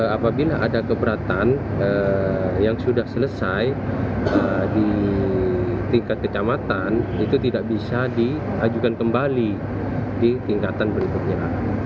apabila ada keberatan yang sudah selesai di tingkat kecamatan itu tidak bisa diajukan kembali di tingkatan berikutnya